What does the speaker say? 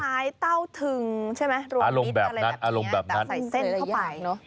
ไม่ล้ายเต้าถึงใช่ไหมรวมนิดอะไรแบบนี้แต่ใส่เส้นเข้าไปอารมณ์แบบนั้นอารมณ์แบบนั้น